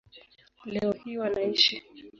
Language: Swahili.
Leo hii wanaishi